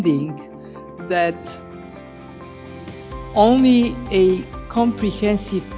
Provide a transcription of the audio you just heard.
mengerti bahwa hanya dengan cara yang komprehensif